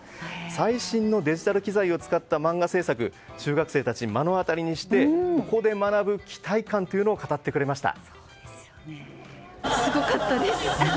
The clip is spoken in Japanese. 最新のデジタル機材を使った漫画制作中学生たちは目の当たりにしてここで学ぶ期待感というのを語ってくれました。